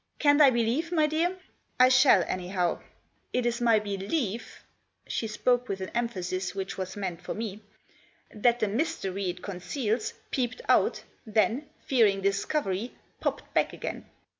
Can't I believe, my dear ? I shall, anyhow. It is my belief "— she spoke with an emphasis which was meant for me —" that the mystery it conceals peeped out, then, fear ing discovery, popped back again.